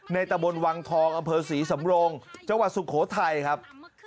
ตะบนวังทองอำเภอศรีสำโรงจังหวัดสุโขทัยครับ